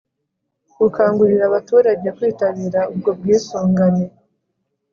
gukangurira abaturage kwitabira ubwo bwisungane